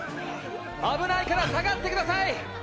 危ないから下がってください！